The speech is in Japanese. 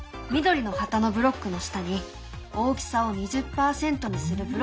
緑の旗のブロックの下に「大きさを２０％にする」